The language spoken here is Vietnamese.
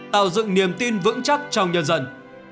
tạo dựng niềm tin vững chắc trong nhân dân